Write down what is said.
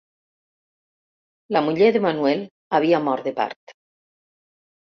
La muller de Manuel havia mort de part.